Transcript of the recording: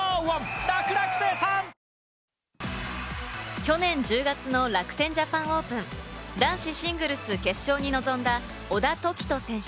去年１０月の楽天ジャパンオープン男子シングルス決勝に臨んだ小田凱人選手。